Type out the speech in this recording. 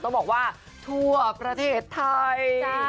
ต้องบอกว่าทั่วประเทศไทย